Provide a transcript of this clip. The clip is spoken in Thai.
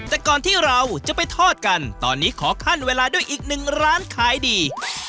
แต่ก่อนที่เราจะไปทอดกันตอนนี้ขอขั้นเวลาด้วยอีกหนึ่งร้านขายดี